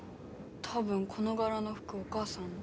多分、この柄の服、お母さん。